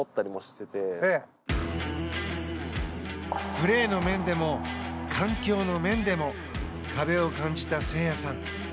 プレーの面でも環境の面でも壁を感じた誠也さん。